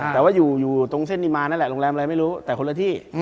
แต่ว่าอยู่ตรงเส้นนิมานนั่นแหละโรงแรมอะไรไม่รู้แต่คนละที่